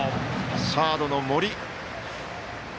サードの森。